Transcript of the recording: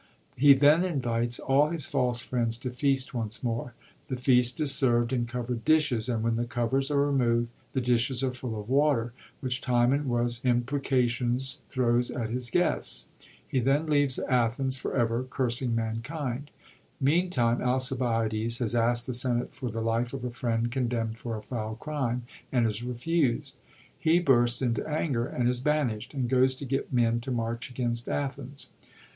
He then invites all his false friends to feast once more. The feast is servd in coverd dishes ; and when the covers are removed the dishes are full of water, which Timon with impreca tions throws at his guests. He then leaves Athens for ever, cursing mankind. Meantime, Alcibiades has askt the Senate for the life of a friend condemnd for a foul crime, and is refused. He bursts into anger, and is banisht, and goes to get men to march against Athens.